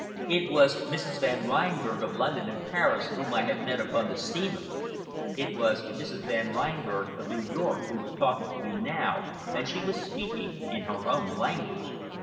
It was Mrs. Van Reinberg of London and Paris whom I had met upon the steamer; it was Mrs. Van Reinberg of New York who was talking to me now, and she was speaking in her own language.